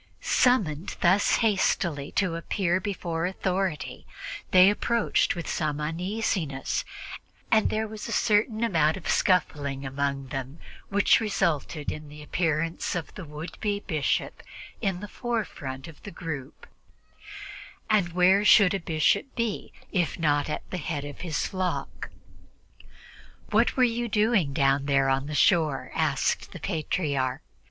Summoned thus hastily to appear before authority, they approached with some uneasiness, and there was a certain amount of scuffling among them which resulted in the appearance of the would be bishop in the forefront of the group and where should a bishop be if not at the head of his flock? "What were you doing down there on the shore?" asked the Patriarch.